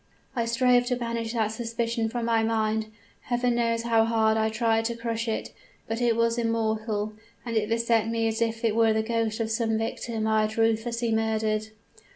I strove to banish that suspicion from my mind Heaven knows how hard I tried to crush it. But it was immortal and it beset me as if it were the ghost of some victim I had ruthlessly murdered.